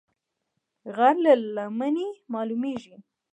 غر له لمنې مالومېږي